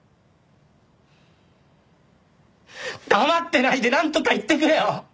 黙ってないでなんとか言ってくれよ！